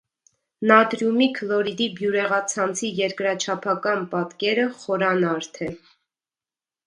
Նատրիումի քլորիդի բյուրեղացանցի երկրաչափական պատկերը խորանարդ է։